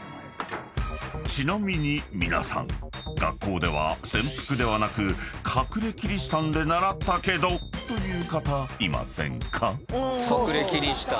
［ちなみに皆さん学校では潜伏ではなくかくれキリシタンで習ったけどという方いませんか？］